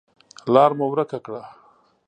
لار مو ورکه کړه .